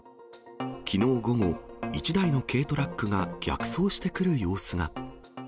きのう午後、１台の軽トラックが逆走してくる様子が。